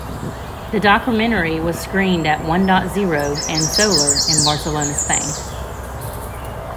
The documentary was screened at "Onedotzero" and "Solar" in Barcelona, Spain.